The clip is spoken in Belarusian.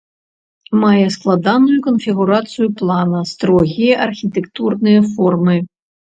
Мае складаную канфігурацыю плана, строгія архітэктурныя формы.